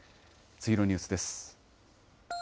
次のニュースです。